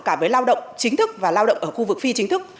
cả với lao động chính thức và lao động ở khu vực phi chính thức